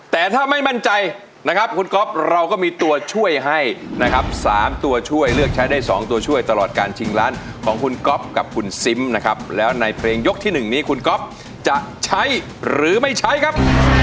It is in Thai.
แต่ถ้าไม่มั่นใจนะครับคุณก๊อฟเราก็มีตัวช่วยให้นะครับ๓ตัวช่วยเลือกใช้ได้๒ตัวช่วยตลอดการชิงล้านของคุณก๊อฟกับคุณซิมนะครับแล้วในเพลงยกที่๑นี้คุณก๊อฟจะใช้หรือไม่ใช้ครับ